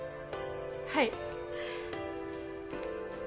はい！